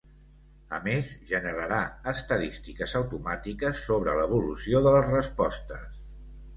A més, generarà estadístiques automàtiques sobre l’evolució de les respostes.